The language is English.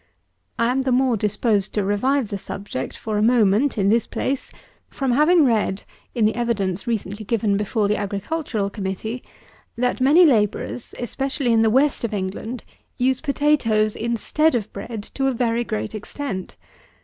I am the more disposed to revive the subject for a moment, in this place, from having read, in the evidence recently given before the Agricultural Committee, that many labourers, especially in the West of England, use potatoes instead of bread to a very great extent.